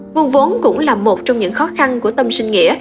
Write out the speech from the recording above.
nguồn vốn cũng là một trong những khó khăn của tâm sinh nghĩa